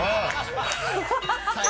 ハハハ